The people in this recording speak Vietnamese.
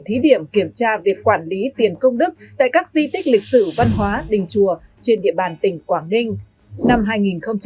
thí điểm kiểm tra việc quản lý tiền công đức tại các di tích lịch sử văn hóa đình chùa trên địa bàn tỉnh quảng ninh